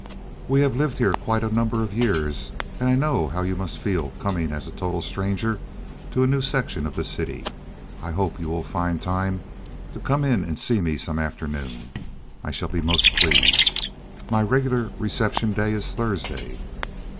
"We have lived here quite a number of years, and I know how you must feel coming as a total stranger to a new section of the city. I hope you will find time to come in and see me some afternoon. I shall be most pleased. My regular reception day is Thursday."